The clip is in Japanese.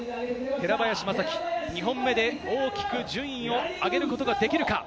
寺林昌輝、２本目で大きく順位を上げることができるか？